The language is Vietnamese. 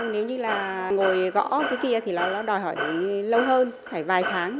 nếu như là ngồi gõ thế kia thì nó đòi hỏi lâu hơn phải vài tháng